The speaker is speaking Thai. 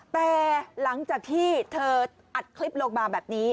แต่หลังจากที่เธออัดคลิปลงมาแบบนี้